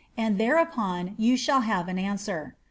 and thereupon you shall have an answer.'